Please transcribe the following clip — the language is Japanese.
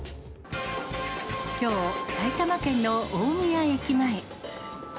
きょう、埼玉県の大宮駅前。